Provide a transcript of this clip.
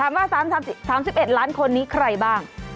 มา๓๑ล้านคนนี้ใครบ้าง